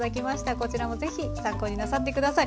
こちらもぜひ参考になさって下さい。